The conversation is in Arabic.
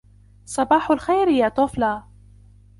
صباح الخير يا توفلا.